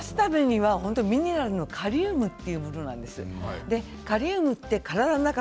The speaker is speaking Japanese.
出すためにはミネラルのカリウムというものが必要なんです。